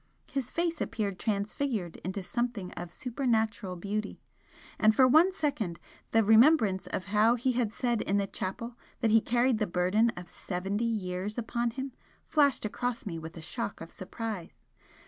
His face appeared transfigured into something of supernatural beauty, and for one second the remembrance of how he had said in the chapel that he carried the burden of seventy years upon him flashed across me with a shock of surprise.